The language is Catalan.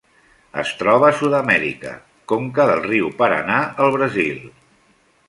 Es troba a Sud-amèrica: conca del riu Paranà al Brasil.